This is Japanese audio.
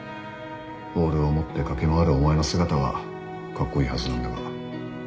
ボールを持って駆け回るお前の姿はカッコイイはずなんだが。